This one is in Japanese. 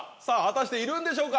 果たしているんでしょうか？